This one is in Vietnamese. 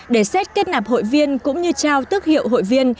để xét kết nạp hội viên cũng như trao tương hiệu hội viên